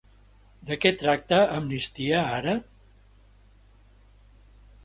De què tracta Amnistia ara!?